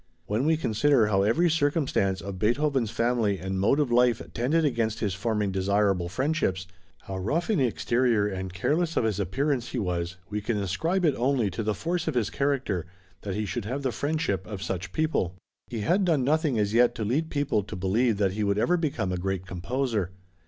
When we consider how every circumstance of Beethoven's family and mode of life tended against his forming desirable friendships, how rough in exterior and careless of his appearance he was, we can ascribe it only to the force of his character that he should have the friendship of such people. He had done nothing as yet to lead people to believe that he would ever become a great composer.